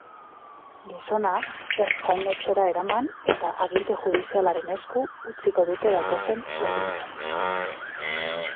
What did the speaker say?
Gizona ertzain-etxera eraman eta aginte judizialaren esku utziko dute datozen orduotan.